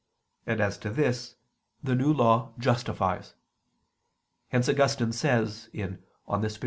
And as to this, the New Law justifies. Hence Augustine says (De Spir.